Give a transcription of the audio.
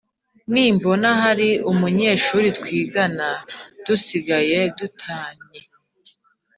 Nimbona hari umunyeshuri twigana dusigaye du tanye